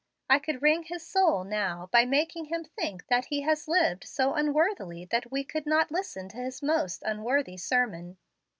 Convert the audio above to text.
I could wring his soul now, by making him think that he had lived so unworthily that we could not listen to his most unworthy sermon."